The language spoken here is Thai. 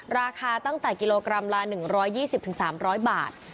ราคาตั้งแต่กิโลกรัมละ๑๒๐๓๐๐บาท